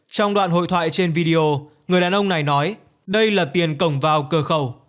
trong đoạn hội thoại trên video người đàn ông này nói đây là tiền cổng vào cửa khẩu